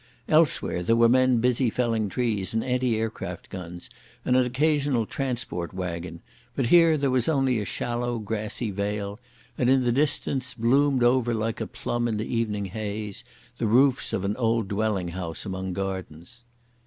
Elsewhere there were men busy felling trees, and anti aircraft guns, and an occasional transport wagon, but here there was only a shallow grassy vale, and in the distance, bloomed over like a plum in the evening haze, the roofs of an old dwelling house among gardens.